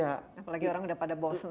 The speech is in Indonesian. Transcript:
apalagi orang udah pada bos